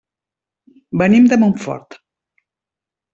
Venim de Montfort.